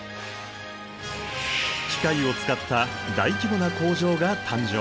機械を使った大規模な工場が誕生。